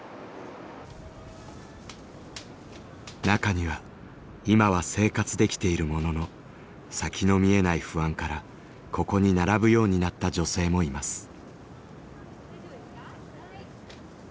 中には今は生活できているものの先の見えない不安からここに並ぶようになった女性もいます。